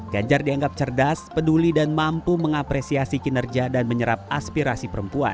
ganjar dianggap cerdas peduli dan mampu mengapresiasi kinerja dan menyerap aspirasi perempuan